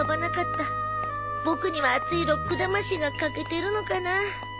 ボクには熱いロック魂が欠けてるのかな。